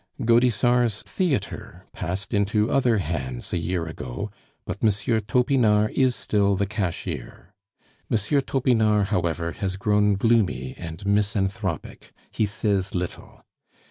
Gaudissart's theatre passed into other hands a year ago, but M. Topinard is still the cashier. M. Topinard, however, has grown gloomy and misanthropic; he says little.